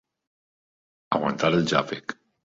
Aguantar el xàfec.